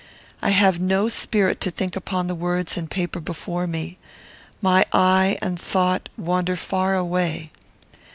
I have no spirit to think upon the words and paper before me. My eye and my thought wander far away.